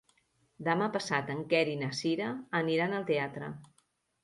Demà passat en Quer i na Cira aniran al teatre.